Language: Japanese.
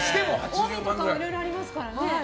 帯とかもいろいろありますからね。